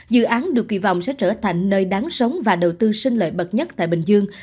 dự án được kỳ vọng sẽ trở thành nơi đáng sống và đầu tư sinh lợi bậc nhất tại bình dương